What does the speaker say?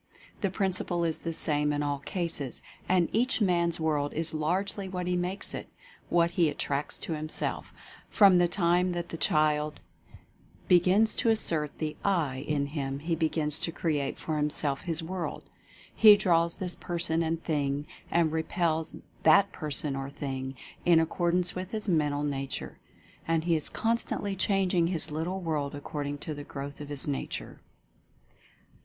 The principle is the same in all cases. And each man's world is largely what he makes it — what he at tracts to himself. From the time that the child be 175 176 Mental Fascination gins to assert the "I" in him he begins to .create for himself his world. He draws this person and thing, and repels that person or thing, in accordance with his mental nature. And he is constantly changing his little world according to the growth of his nature.